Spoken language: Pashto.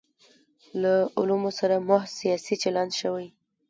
له علومو سره محض سیاسي چلند شوی.